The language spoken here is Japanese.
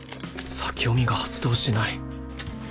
先読みが発動しない